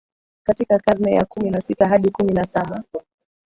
katika karne ya kumi na sita hadi kumi na Saba